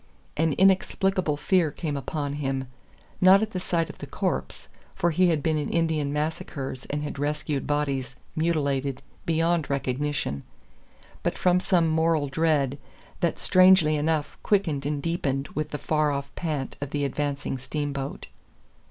An inexplicable fear came upon him, not at the sight of the corpse, for he had been in Indian massacres and had rescued bodies mutilated beyond recognition; but from some moral dread that, strangely enough, quickened and deepened with the far off pant of the advancing steamboat.